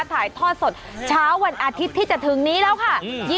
ถ่ายทอดสดเช้าวันอาทิตย์ที่จะถึงนี้แล้วค่ะ